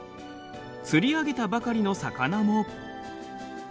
釣り上げたばかりの魚も。